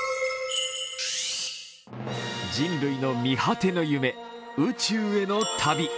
人類の見果てぬ夢、宇宙への旅。